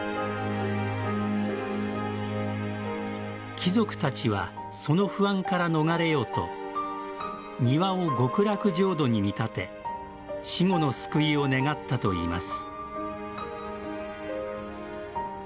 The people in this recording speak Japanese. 貴族たちはその不安から逃れようと庭を極楽浄土に見立て死後の救いを願ったと言います。